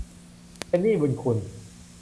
เป็นหนี้บุญคุณ